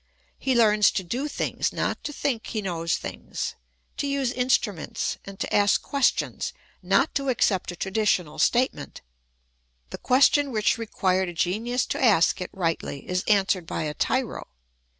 He learns to do things, not to think he knows things ; to use instruments and to ask questions, not to accept a traditional statement. The question which required a genius to ask it rightly is answered by a tyro.